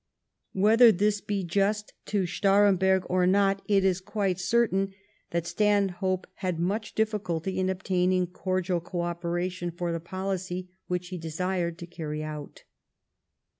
Whether this be just to Staremberg or not, it is quite certain that Stanhope had much difficulty in obtaining cordial co operation for the policy which he desired to carry out.